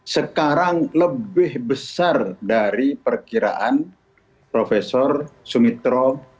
sekarang lebih besar dari perkiraan prof sumitro